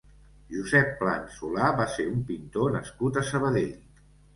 Josep Plans Solà va ser un pintor nascut a Sabadell.